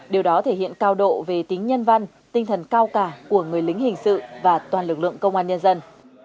điều đó thể hiện cao độ về tính nhân văn tinh thần cao cả của người lính hình sự và toàn lực lượng công an nhân dân